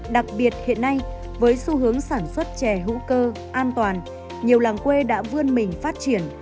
đặc biệt hiện nay với xu hướng sản xuất chè hữu cơ an toàn nhiều làng quê đã vươn mình phát triển